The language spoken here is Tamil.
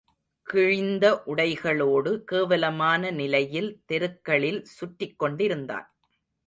கிழிந்த உடைகளோடு, கேவலமான நிலையில் தெருக்களில் சுற்றிக் கொண்டிருந்தான்.